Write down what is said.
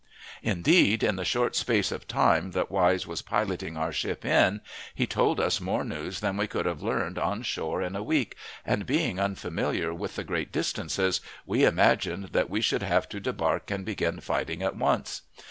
Indeed, in the short space of time that Wise was piloting our ship in, he told us more news than we could have learned on shore in a week, and, being unfamiliar with the great distances, we imagined that we should have to debark and begin fighting at once.